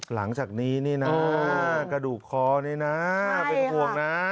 หลังจากนี้นี่นะกระดูกคอนี่นะเป็นห่วงนะ